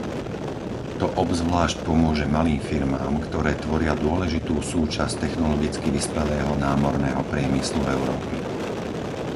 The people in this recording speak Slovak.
To obzvlášť pomôže malým firmám, ktoré tvoria dôležitú súčasť technologicky vyspelého námorného priemyslu Európy.